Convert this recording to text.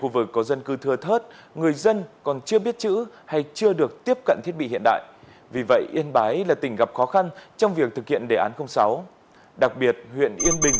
và cố gắng để đạt được những thông tin tốt hơn